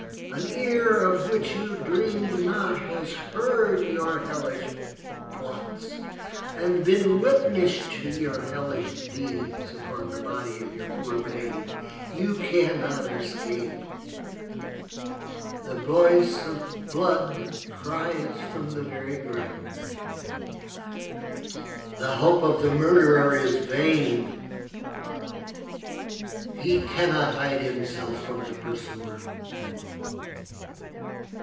An ear of which you dreamed not has heard your hellish plots, and been witness to your hellish deeds upon the body of your poor babe. You cannot escape. The voice of blood cries from the very ground. The hope of the murderer is vain. He cannot hide himself from the pursuer."